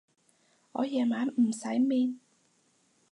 我夜晚唔使面